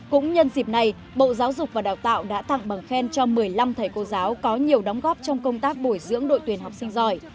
cũng nhân dịp này bộ giáo dục và đào tạo đã tặng bằng khen cho một mươi năm thầy cô giáo có nhiều đóng góp trong công tác bồi dưỡng đội tuyển học sinh giỏi